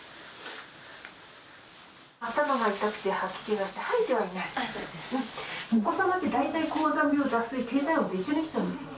頭が痛くて吐き気がして、吐いてはいないんですね。